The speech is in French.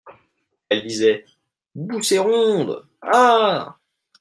Elle disait :« Bousséronde ! ah !